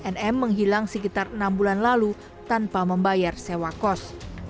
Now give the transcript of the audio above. nm menghilang sekitar enam bulan lalu tanpa membayar sewa kos